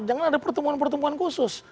jangan ada pertemuan pertemuan khusus